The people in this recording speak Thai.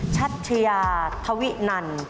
ชัชยาทวินัน